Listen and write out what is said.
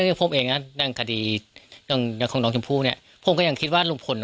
เนี้ยผมเองน่ะดังคดีของของน้องจำผู้เนี้ยผมก็ยังคิดว่าลุงพล